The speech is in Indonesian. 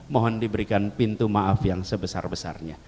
mohon diberikan pintu maaf yang sebesar besarnya